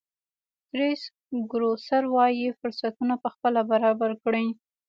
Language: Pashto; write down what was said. کرېس ګروسر وایي فرصتونه پخپله برابر کړئ.